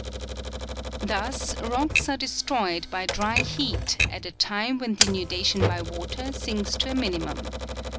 Thus rocks are destroyed by dry heat at a tmie when denuda tion by water sinks to a minimum.